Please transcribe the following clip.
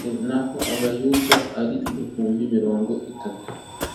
naho abayuda ari ibihumbi mirongo itatu